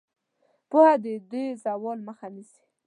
پوهه د دې زوال مخه نیسي.